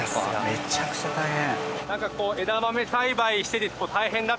めちゃくちゃ大変。